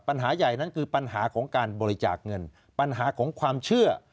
ปัญหาใหญ่นั้นคือปัญหาของการบริจาคเงินปัญหาของความเชื่อ